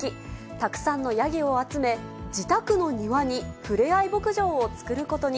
たくさんのヤギを集め、自宅の庭にふれあい牧場を作ることに。